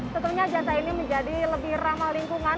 tentunya jasa ini menjadi lebih ramah lingkungan